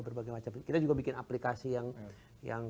berbagai macam kita juga bikin aplikasi yang